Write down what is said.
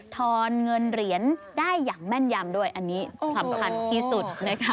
อนเงินเหรียญได้อย่างแม่นยำด้วยอันนี้สำคัญที่สุดนะคะ